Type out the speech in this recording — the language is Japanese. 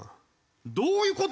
どういう事？